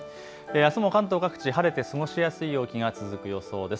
あすも関東各地で晴れて過ごしやすい陽気が続く予想です。